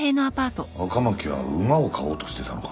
赤巻は馬を買おうとしてたのか？